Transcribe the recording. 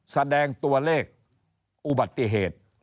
แสดงตัวเลขอุบัติเหตุ